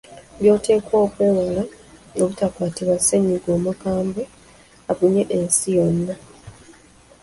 By’oteekwa okwewala obutakwatibwa ssennyiga omukambwe abunye ensi yonna.